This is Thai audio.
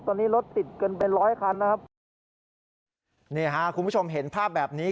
ตอนนี้รถติดกันเป็นร้อยคันนะครับนี่ฮะคุณผู้ชมเห็นภาพแบบนี้